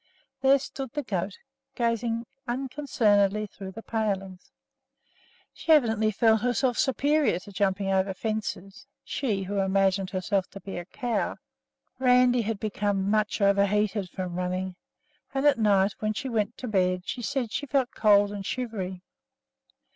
There stood the goat gazing unconcernedly through the palings. She evidently felt herself superior to jumping over fences, she who imagined herself to be a cow! Randi had become much overheated from running, and at night, when she went to bed, she said she felt cold and shivery.